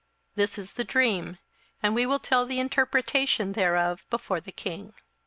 27:002:036 This is the dream; and we will tell the interpretation thereof before the king.